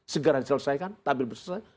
segera diselesaikan tapi berselesai